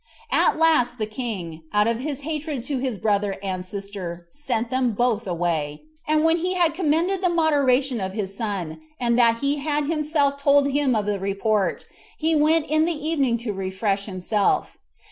At last the king, out of his hatred to his brother and sister, sent them both away; and when he had commended the moderation of his son, and that he had himself told him of the report, he went in the evening to refresh himself.